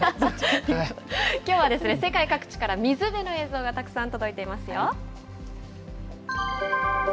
きょうは世界各地から水辺の映像がたくさん届いていますよ。